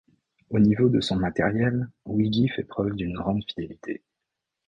Au niveau de son matériel, Weegee fait preuve d’une grande fidélité.